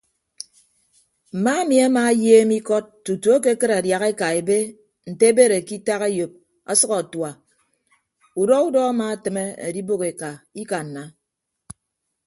Mma emi ama ayeem ikod tutu ekekịd adiaha eka ebe nte ebere ke itak eyop ọsʌk atua udọ udọ ama atịme edibәk eka ikanna.